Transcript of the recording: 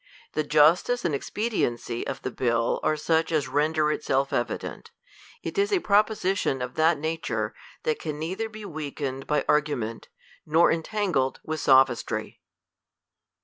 The justice and expediency of the bill are such as render it self evident. It is a propo sition of that nature, that can neither be weakened by argument, nor entangled with sophistry.